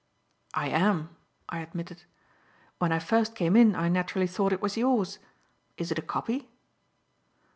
"I am," I admitted. "When I first came in I naturally thought it was yours. Is it a copy?"